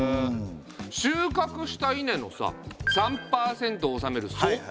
収穫した稲のさ３％を納める租。